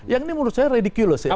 yang ini menurut saya readiculess ya